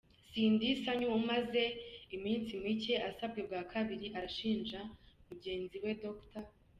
Cindy Sanyu umaze iminsi mike asabwe bwa kabiri arashinja mugenzi we Dr.